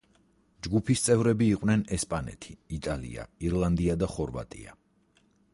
ჯგუფის წევრები იყვნენ ესპანეთი, იტალია, ირლანდია და ხორვატია.